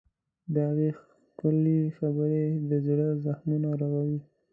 د هغې ښکلي خبرې د زړه زخمونه رغوي.